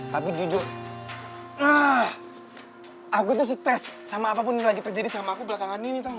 tapi jujur aku tuh stes sama apapun yang lagi terjadi sama aku belakangan ini tau gak